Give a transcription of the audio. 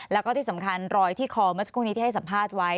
แล้วก็ที่สำคัญรอยที่คอเมื่อสักครู่นี้ที่ให้สัมภาษณ์ไว้